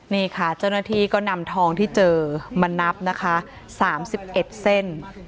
นี่ค่ะเจ้าหน้าที่ก็นำทองที่เจอมานับนะคะ๓๑เส้น